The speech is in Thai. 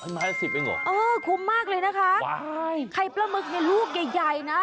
ไม้ละ๑๐เองเหรอคุ้มมากเลยนะคะไข่ปลาหมึกในลูกใหญ่นะ